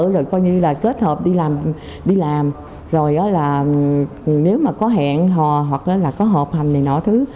rồi coi như là kết hợp đi làm đi làm rồi là nếu mà có hẹn hò hoặc là có hộp hành này nọ thứ